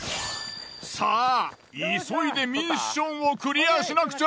さぁ急いでミッションをクリアしなくちゃ！